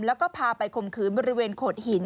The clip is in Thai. แล้วก็พาไปข่มขืนบริเวณโขดหิน